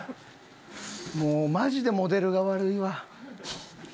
もうマジでモデルが悪いわ。